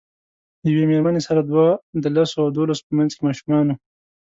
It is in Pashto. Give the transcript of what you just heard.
یوې میرمنې سره دوه د لسو او دولسو په منځ ماشومان وو.